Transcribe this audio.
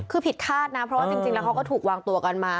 คือผิดคาดนะเพราะว่าจริงแล้วเขาก็ถูกวางตัวกันมา